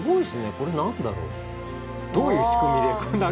これ何だろう？どういう仕組みでこんな。